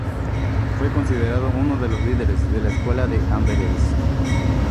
Fue considerado uno de los líderes de la Escuela de Amberes.